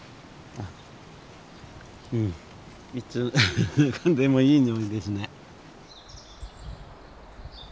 うんいつ嗅いでもいい匂いですね。